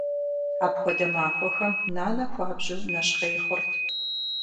Апхуэдэ махуэхэм нанэ хуабжьу нэщхъей хъурт.